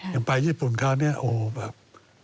อย่างไปญี่ปุ่นคราวนี้โอ้แบบ